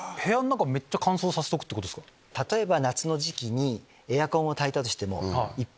例えば。